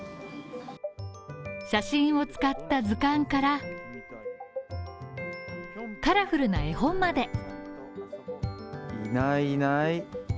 写真を使った図鑑からカラフルな絵本まで。